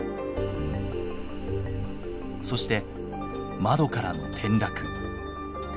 そして窓からの転落。